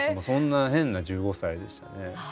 そんな変な１５歳でしたね。